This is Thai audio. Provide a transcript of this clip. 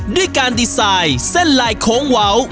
ด้วยการดีไซน์เส้นลายโค้งเว้า